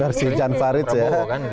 versi jan farid ya